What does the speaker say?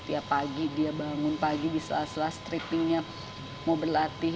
tiap pagi dia bangun pagi di sela sela strippingnya mau berlatih